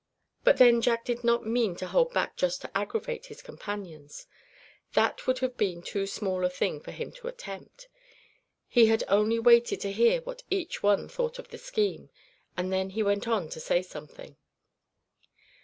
But then Jack did not mean to hold back just to aggravate his companions; that would have been too small a thing for him to attempt. He had only waited to hear what each one thought of the scheme, and then he went on to say something.